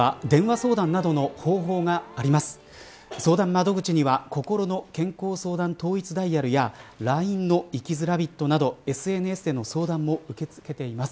相談窓口にはこころの健康相談統一ダイヤルやＬＩＮＥの生きづらびっとなどＳＮＳの相談も受け付けています。